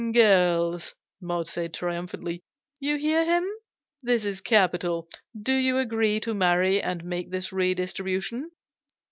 " Girls," Maud said, triumphantly, "you hear him. This is capital. Do you agree to marry and make this redistribution?"